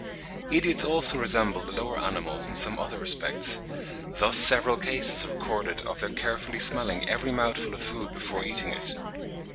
Idiots also resemble the lower animals in some other respects; thus several cases are recorded of their carefully smelling every mouthful of food before eating it.